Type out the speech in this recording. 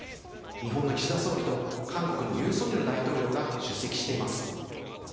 日本の岸田総理と韓国のユン・ソンニョル大統領が出席しています。